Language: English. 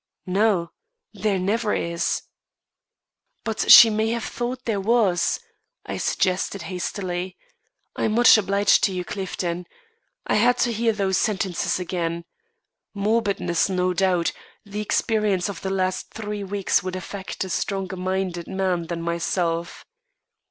"No; there never is." "But she may have thought there was," I suggested hastily. "I'm much obliged to you, Clifton. I had to hear those sentences again. Morbidness, no doubt; the experience of the last three weeks would affect a stronger minded man than myself."